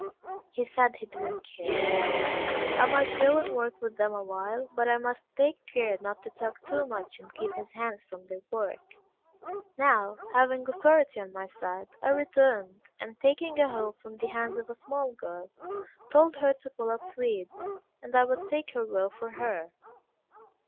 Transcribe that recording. He said he did not care; I might go and work with them awhile, but I must take care not to talk too much and keep his hands from their work. Now, having authority on my side, I returned, and taking a hoe from the hands of a small girl, told her to pull up weeds, and I would take her row for her.